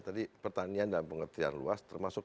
tadi pertanian dalam pengertian luas termasuk